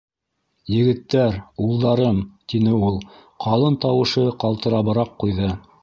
- Егеттәр, улдарым! - тине ул. Ҡалын тауышы ҡалтырабыраҡ ҡуйҙы.